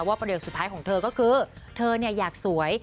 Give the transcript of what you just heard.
ว่าประเด็นสุดท้ายของเธอก็คือเธอเนี่ยอยากสวย